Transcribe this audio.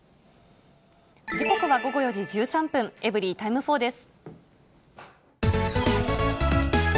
時刻は午後４時１３分、エブリィタイム４です。